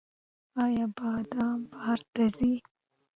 آیا بادام بهر ته ځي؟